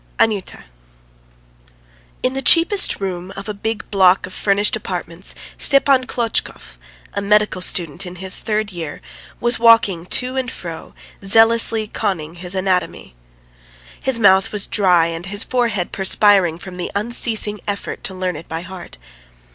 ANYUTA IN the cheapest room of a big block of furnished apartments Stepan Klotchkov, a medical student in his third year, was walking to and fro, zealously conning his anatomy. His mouth was dry and his forehead perspiring from the unceasing effort to learn it by heart.